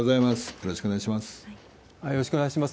よろしくお願いします。